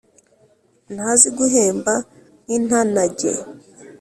ntazi guhemba nk’intanage